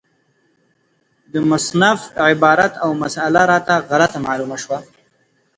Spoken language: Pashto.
د مصنف عبارت او مسأله راته غلطه معلومه شوه،